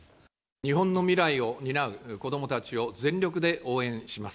日本の未来を担う子どもたちを全力で応援します。